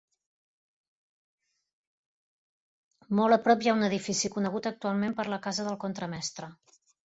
Molt a prop hi ha un edifici, conegut actualment per la casa del contramestre.